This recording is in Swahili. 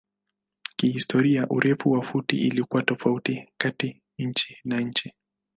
Kihistoria urefu wa futi ilikuwa tofauti kati nchi na nchi.